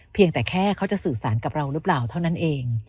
เพียงแต่แค่เขาจะสื่อสารกับเราหรือเปล่าเท่านั้นเอง